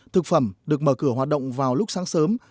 thực phẩm được mở cửa hoạt động vào lúc sáng sớm